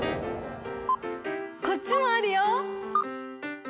こっちもあるよ！